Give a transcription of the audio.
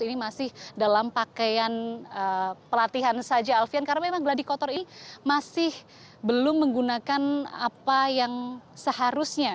ini masih dalam pakaian pelatihan saja alfian karena memang geladi kotor ini masih belum menggunakan apa yang seharusnya